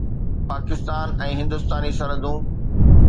پاڪستان ۽ هندستاني سرحدون